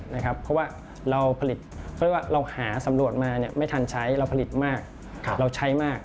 เพราะว่าเราผลิตหาสำรวจมาไม่ทันใช้เราผลิตมากเราใช้มาก